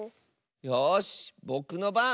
よしぼくのばん！